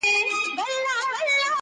د خدای د نور جوړو لمبو ته چي سجده وکړه,